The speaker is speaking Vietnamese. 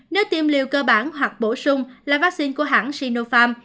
nếu tiêm liều cơ bản hoặc bổ sung là vaccine của hãng sinopharm